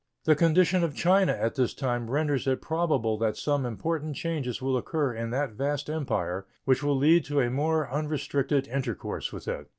The condition of China at this time renders it probable that some important changes will occur in that vast Empire which will lead to a more unrestricted intercourse with it.